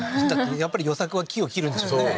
やっぱりヨサクは木をきるんでしょうね